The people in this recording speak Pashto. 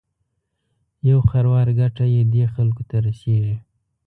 یو خروار ګټه یې دې خلکو ته رسېږي.